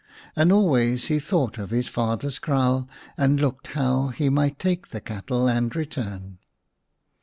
And always he thought of his father's kraal, and looked how he might take the cattle and return.